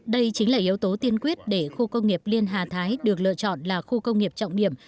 đây chính là yếu tố tiên quyết để khu công nghiệp liên hà thái được lựa chọn là khu công nghiệp trọng điểm